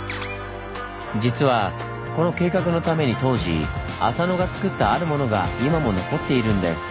実はこの計画のために当時浅野がつくったあるものが今も残っているんです。